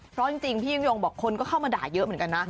เพราะจริงพี่ยิ่งยงบอกคนก็เข้ามาด่าเยอะเหมือนกันนะ